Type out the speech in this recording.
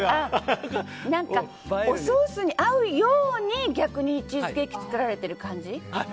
おソースに合うように逆にチーズケーキを作られてる感じ？